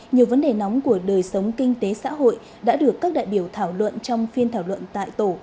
nhiều vấn đề nóng của đời sống kinh tế xã hội đã được các đại biểu thảo luận trong phiên thảo luận tại tổ